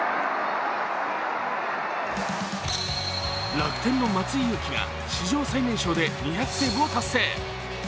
楽天の松井裕樹が史上最年少で２００セーブを達成。